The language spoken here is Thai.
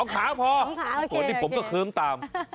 ขาพอฝนนี่ผมก็เคิ้มตาม